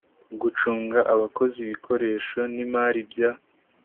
gucunga abakozi ibikoresho n imari bya